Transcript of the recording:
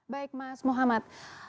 baik mas muhammad